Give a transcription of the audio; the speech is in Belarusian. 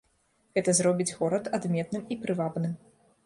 Гэта зробіць горад адметным і прывабным.